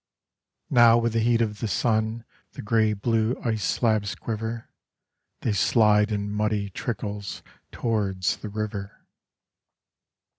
Now with the heat of the sun The grey blue ice slabs quiver, They slide in muddy trickles Towards the river.